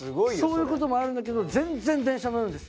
そういうこともあるんだけど全然電車乗るんです。